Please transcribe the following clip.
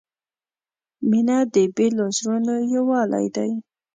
• مینه د بېلو زړونو یووالی دی.